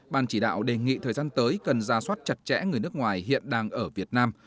ban chỉ đạo đề nghị thời gian tới cần ra soát chặt chẽ người nước ngoài hiện đang ở việt nam